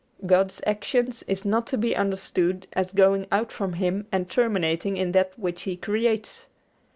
God's action is not to be understood as going out from Him and terminating in that which He creates.